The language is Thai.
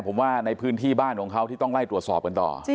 ผมว่าในพื้นที่บ้านของเขาที่ต้องไล่ตรวจสอบกันต่อ